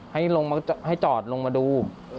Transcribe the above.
ให้จอดลงมาดู